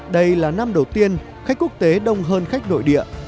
đây là năm đầu tiên khách quốc tế đông hơn khách nội địa